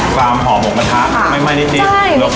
ซ้ำหอมหกกระทะค่ะไหม้ไหม้นิดนิดขนมสะมก